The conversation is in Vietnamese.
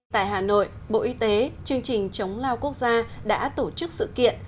tại hà nội bộ y tế chương trình chống lao quốc gia đã tổ chức sự kiện